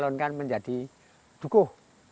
saya menjalankan menjadi dukuh